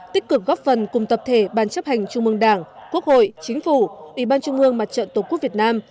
tích cực góp phần cùng tập thể ban chấp hành trung mương đảng quốc hội chính phủ ủy ban trung ương mặt trận tổ quốc việt nam